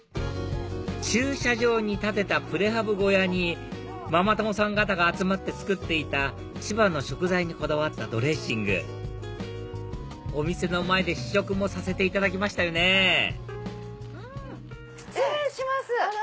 駐車場に建てたプレハブ小屋にママ友さん方が集まって作っていた千葉の食材にこだわったドレッシングお店の前で試食もさせていただきましたよね失礼します。